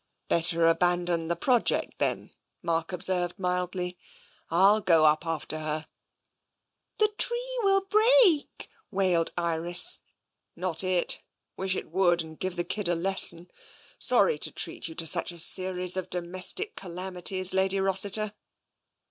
" Better abandon the project, then," Mark observed mildly. " FU go up after her." The tree will break," wailed Iris. Not it ! Wish it would, and give the kid a lesson. Sorry to treat you to such a series of domestic calami ties. Lady Rossiter."